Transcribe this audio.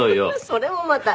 それもまた。